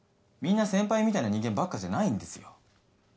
みんな先輩みたいな人間ばっかじゃないんですよ。